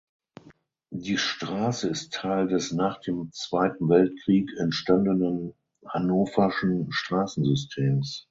Die Straße ist Teil des nach dem Zweiten Weltkrieg entstandenen hannoverschen Straßensystems.